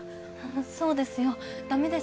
そうですよだめです。